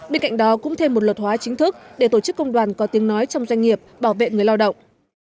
bên cạnh đó cũng thêm một luật hóa chính thức để tổ chức công đoàn có tiếng nói trong doanh nghiệp bảo vệ người lao động